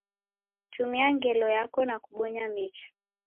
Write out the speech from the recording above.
Tumia ngelo yako kwa kubonya mecha.